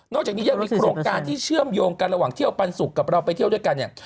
จากนี้ยังมีโครงการที่เชื่อมโยงกันระหว่างเที่ยวปันสุกกับเราไปเที่ยวด้วยกันเนี่ย